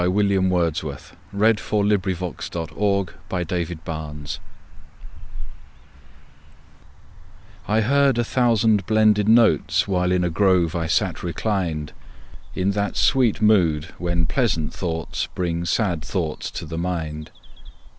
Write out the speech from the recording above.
William Wordsworth Lines Written in Early Spring I HEARD a thousand blended notes, While in a grove I sate reclined, In that sweet mood when pleasant thoughts Bring sad thoughts to the mind.